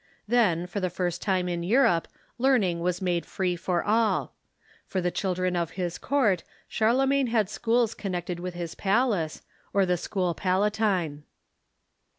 Then, for the first time in Europe, learning was made free for all. For the children of his court, Charlemagne had schools connected with his palace, or the School Palatine.